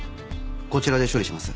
こちらで処理します。